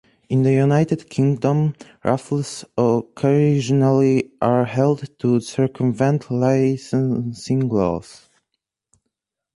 In the United Kingdom, raffles occasionally are held to circumvent licensing laws.